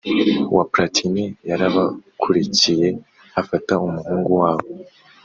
Wa palatini yarabakurikiye afata umuhungu wabo